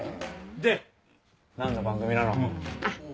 で何の番組なの？